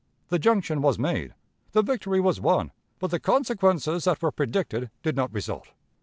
The junction was made, the victory was won; but the consequences that were predicted did not result.